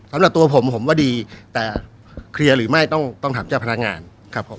สำหรับตัวผมผมว่าดีแต่เคลียร์หรือไม่ต้องถามเจ้าพนักงานครับผม